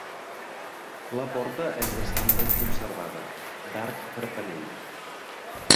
La porta és bastant ben conservada, d'arc carpanell.